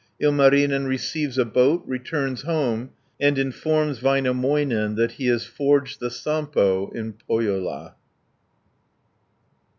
Ilmarinen receives a boat, returns home, and informs Väinämöinen that he has forged the Sampo in Pohjola (463 510).